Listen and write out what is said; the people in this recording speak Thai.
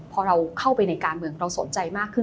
พอเราเข้าไปในการเมืองเราสนใจมากขึ้น